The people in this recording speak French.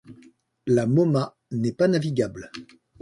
La Moma n'est pas navigable.